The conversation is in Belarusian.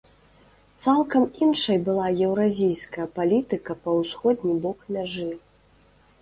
Цалкам іншай была еўразійская палітыка па ўсходні бок мяжы.